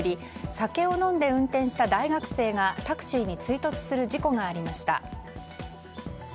酒を飲んで運転した大学生がタクシーに追突する事故がありました。